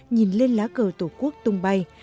nhìn lên lá cờ tổ quốc tung bay